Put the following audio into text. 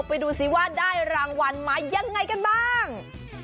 ไปดูซิว่าได้รางวัลมายังไงกันบ้าง